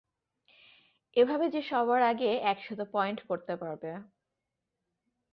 এভাবে যে সবার আগে একশত পয়েন্ট করতে পারবে।